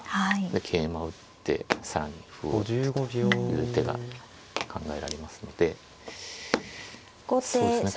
で桂馬打って更に歩を打ってという手が考えられますのでそうですね